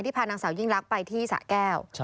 พานางสาวยิ่งลักษณ์ไปที่สะแก้ว